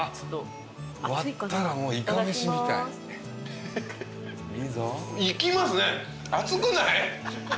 割ったらいかめしみたい。いきますね！